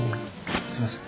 すいません。